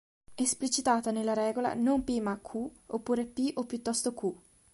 Esplicitata nella regola "non p ma q" oppure "p o piuttosto q".